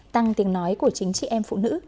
tăng tiếng nói của chính chị em phụ nữ